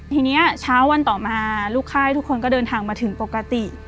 ทีนี้เช้าวันต่อมาลูกค่ายทุกคนก็เดินทางมาถึงปกติ